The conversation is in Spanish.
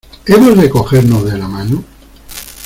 ¿ Hemos de cogernos de la mano?